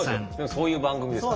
そういう番組です。